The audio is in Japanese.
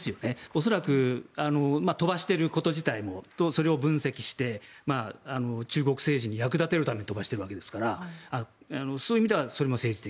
恐らく飛ばしていること自体もそれを分析して中国政治に役立てるために飛ばしているわけですからそういう意味ではそれも政治的。